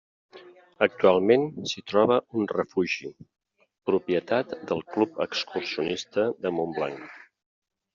Actualment s'hi troba un refugi, propietat del Club Excursionista de Montblanc.